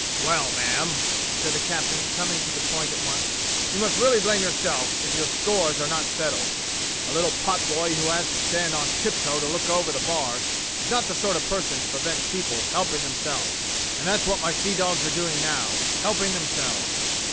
"Well, ma'am," said the captain, coming to the point at once, "you must really blame yourself if your scores are not settled. A little potboy who has to stand on tiptoe to look over the bar is not the sort of person to prevent people helping themselves; and that's what my seadogs are doing now — helping themselves."